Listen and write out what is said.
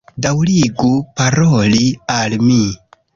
Daŭrigu paroli al mi